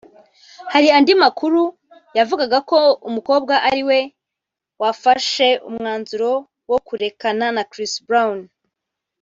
Hari andi makuru yavugaga ko umukobwa ari we wafashe umwanzuro wo kurekana na Chris Brown